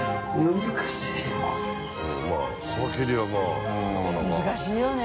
難しいよね。